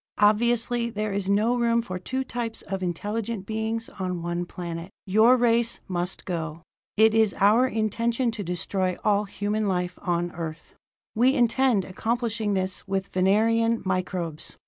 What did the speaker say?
Obviously, there is no room for two types of intelligent beings on one planet your race must go! It is our intention to destroy all human life on Earth! "We intend accomplishing this with Venerian microbes.